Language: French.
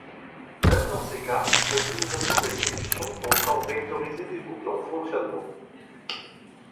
Même dans ces cas, l'optimisation d'exécution peut encore vectoriser des boucles en fonctionnement.